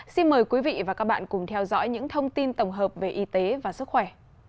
xin mời quý vị và các bạn cùng theo dõi những thông tin tổng hợp về y tế và sức khỏe